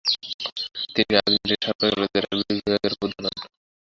তিনি আজমিরের সরকারি কলেজের আরবি বিভাগের প্রধান হন।